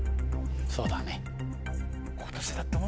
そうだね。